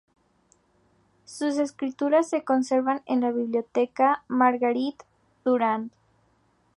Sus escrituras se conservan en la Biblioteca Marguerite Durand.